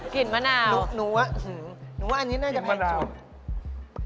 กลิ่นมะนาวหนูว่าน่ารู้ว่าอันนี้น่าจะแพงสุด